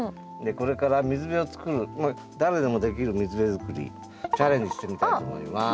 これから水辺を作る誰でもできる水辺作りチャレンジしてみたいと思います。